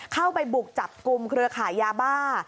เข้าไปบุกจับกลุ่มเครือขายยาบ้า